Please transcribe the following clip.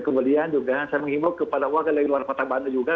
kemudian juga saya mengimbau kepada warga dari luar kota bandung juga